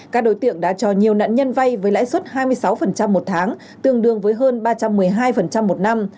các đối tượng đã cho nhiều nạn nhân vay với lãi suất hai mươi sáu một tháng tương đương với hơn ba trăm một mươi hai một năm